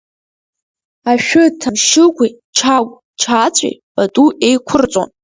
Ашәы Ҭамшьыгәи Чагә Чаҵәи пату еиқәырҵон.